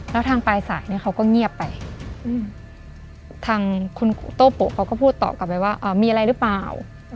แล้วทางปลายสายเนี่ยเขาก็เงียบไปทางคุณโต้โปะเขาก็พูดตอบกลับไปว่ามีอะไรหรือเปล่า